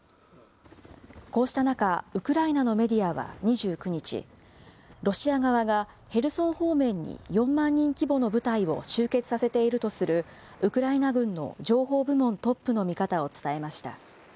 こうした中、ウクライナのメディアは２９日、ロシア側がヘルソン方面に４万人規模の部隊を集結させているとするウクライナ軍の情報部門トップの見方を伝えました。